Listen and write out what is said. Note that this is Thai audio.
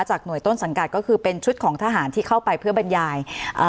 หน่วยต้นสังกัดก็คือเป็นชุดของทหารที่เข้าไปเพื่อบรรยายอ่า